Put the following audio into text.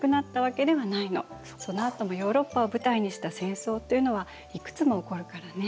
そのあともヨーロッパを舞台にした戦争というのはいくつも起こるからね。